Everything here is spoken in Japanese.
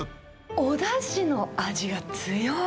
おだしの味が強い。